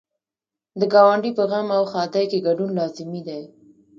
د ګاونډي په غم او ښادۍ کې ګډون لازمي دی.